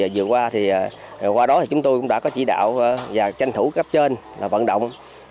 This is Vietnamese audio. vừa qua thì chúng tôi cũng đã có chỉ đạo và tranh thủ các trên vận động